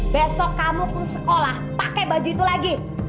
sen kamu tuh gimana sih